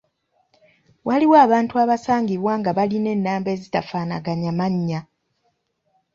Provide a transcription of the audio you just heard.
Waliwo abantu abasangibwa nga balina ennamba ezitafaanaganya mannya.